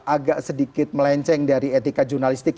agak sedikit melenceng dari etika jurnalistik